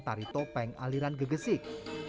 tari topeng aliran gegesik